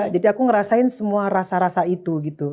jadi aku ngerasain semua rasa rasa itu gitu